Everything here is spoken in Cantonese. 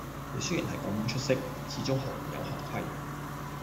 你雖然系咁出色，始終行有行規